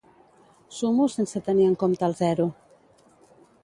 Sumo sense tenir en compte el zero.